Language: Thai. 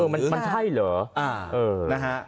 มันใช่เหรอ